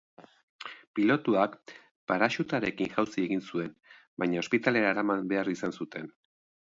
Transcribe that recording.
Pilotuak paraxutarekin jauzi egin zuen, baina ospitalera eraman behar izan zuten.